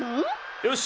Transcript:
よし！